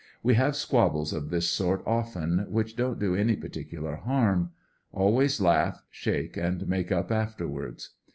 We have squabbles of this sort often, which don't do any particular harm. Always laugh, shake and make up afterwards.